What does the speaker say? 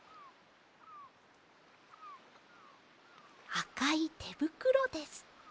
あかいてぶくろです。